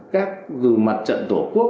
các gửi mặt trận tổ quốc